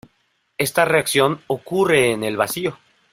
Esta reacción ocurre en el vacío.